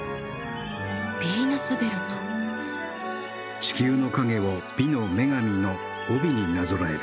地球の影を美の女神の帯になぞらえる。